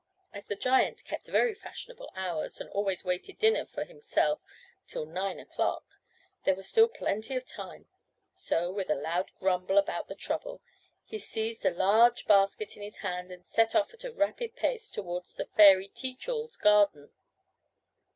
As the giant kept very fashionable hours, and always waited dinner for himself till nine o'clock, there was still plenty of time; so, with a loud grumble about the trouble, he seized a large basket in his hand, and set off at a rapid pace towards the fairy Teach all's garden.